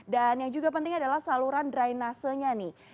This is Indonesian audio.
dan yang juga penting adalah saluran dry nacell nya nih